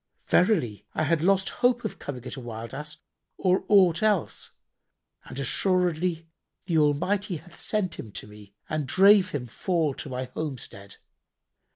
Verily, I had lost hope of coming at a wild Ass or aught else; and assuredly[FN#81] the Almighty hath sent him to me and drave him fall to my homestead."